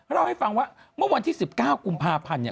เราให้ฟังว่าเมื่อวันที่๑๙กุมภาพันธุ์